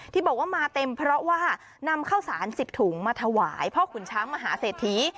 ที่บอกว่ามาเต็มเพราะว่านำข้าวสาร๑๐ถุงมาถวายพ่อขุนช้างมหาเศรษฐี